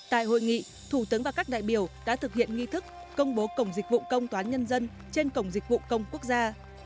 tại hội nghị thủ tướng và các đại biểu đã thực hiện nghi thức công bố cổng dịch vụ công toán nhân dân trên cổng dịch vụ công quốc gia